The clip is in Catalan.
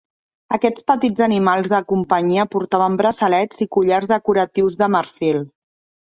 Aquests petits animals de companyia portaven braçalets i collars decoratius de marfil.